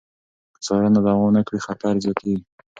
که څارنه دوام ونه کړي، خطر زیاتېږي.